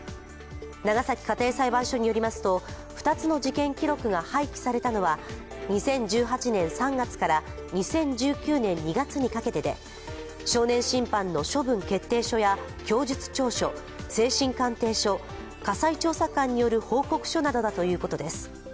長崎家庭裁判所によりますと２つの事件記録が廃棄されたのは２０１８年３月から２０１９年２月にかけてで、少年審判の処分決定書や供述調書、精神鑑定書、家裁調査官による報告書などだということです。